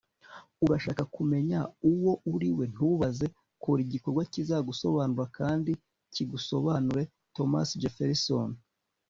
urashaka kumenya uwo uriwe? ntubaze. kora! igikorwa kizagusobanura kandi kigusobanure. - thomas jefferson